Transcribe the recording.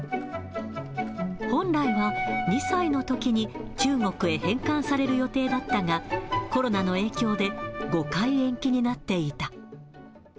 本来は、２歳のときに中国へ返還される予定だったが、コロナの影響で５回延期になっていた。